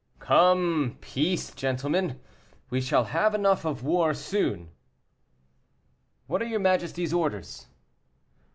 "Come, peace, gentlemen; we shall have enough of war soon." "What are your majesty's orders?"